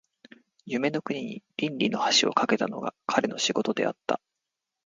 夢の国に論理の橋を架けたのが彼の仕事であった。